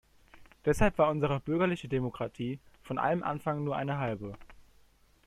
Deshalb war unsere bürgerliche Demokratie von allem Anfang nur eine halbe.